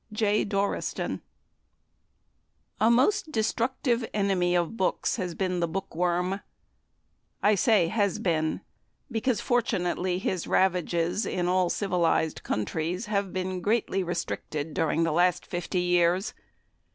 J. DORASTON. A most destructive Enemy of books has been the bookworm. I say "has been," because, fortunately, his ravages in all civilised countries have been greatly restricted during the last fifty years.